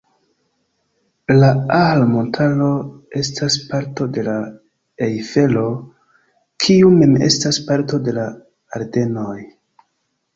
La Ahr-montaro estas parto de la Ejfelo, kiu mem estas parto de la Ardenoj.